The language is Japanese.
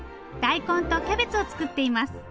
大根とキャベツを作っています。